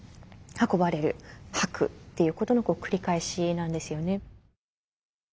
運ばれる吐くっていうことの繰り返しなんですよね。